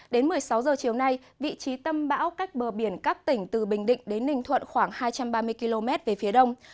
đến một mươi sáu h chiều nay vị trí tâm bão cách bờ biển các tỉnh từ bình định đến ninh thuận khoảng hai trăm ba mươi km về phía đông